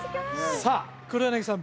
さあ黒柳さん